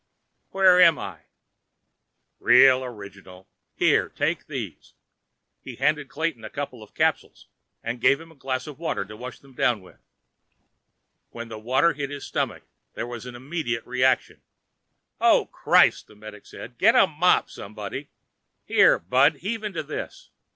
"Where am I?" "Real original. Here, take these." He handed Clayton a couple of capsules, and gave him a glass of water to wash them down with. When the water hit his stomach, there was an immediate reaction. "Oh, Christ!" the medic said. "Get a mop, somebody. Here, bud; heave into this."